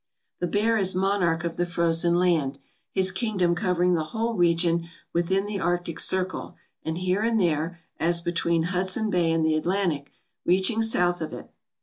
The bear is monarch of the frozen land, his kingdom covering the whole region within the arctic circle, and here and there, as between Hudson Bay and the Atlantic, reaching south of it.